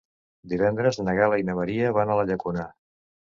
Divendres na Gal·la i na Maria van a la Llacuna.